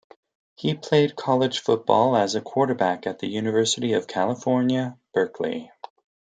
He played college football as a quarterback at the University of California, Berkeley.